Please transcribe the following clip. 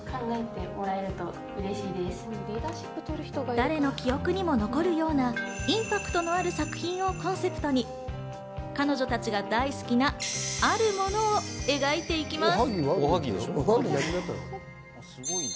誰の記憶にも残るようなインパクトのある作品をコンセプトに、彼女たちが大好きなあるものを描いていきます。